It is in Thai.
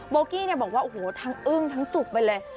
บอกว่าทั้งอึ้งทั้งจุบไปเลย